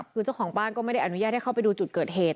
คือเจ้าของบ้านก็ไม่ได้อนุญาตให้เข้าไปดูจุดเกิดเหตุ